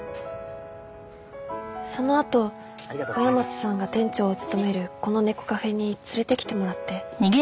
そのあと親松さんが店長を務めるこの猫カフェに連れてきてもらって。